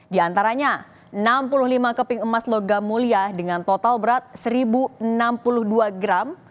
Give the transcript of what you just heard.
di antaranya enam puluh lima keping emas logam mulia dengan total berat satu enam puluh dua gram